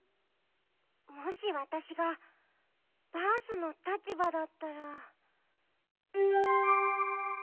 もしわたしがバースの立ばだったら。